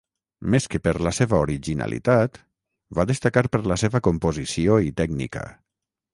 Més que per la seva originalitat, va destacar per la seva composició i tècnica.